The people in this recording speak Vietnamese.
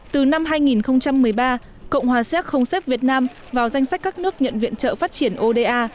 từ năm hai nghìn một mươi ba cộng hòa xéc không xếp việt nam vào danh sách các nước nhận viện trợ phát triển oda